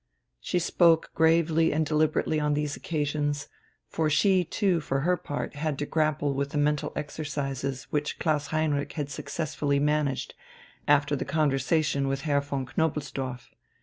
She spoke gravely and deliberately on these occasions, for she too for her part had to grapple with the mental exercises which Klaus Heinrich had successfully managed after the conversation with Herr von Knobelsdorff.